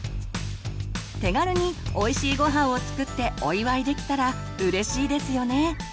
手軽においしいごはんを作ってお祝いできたらうれしいですよね。